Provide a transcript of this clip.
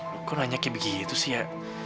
lo kok nanya kayak begitu sih ya